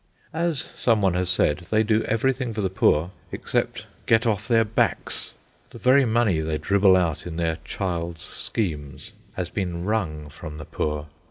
As some one has said, they do everything for the poor except get off their backs. The very money they dribble out in their child's schemes has been wrung from the poor.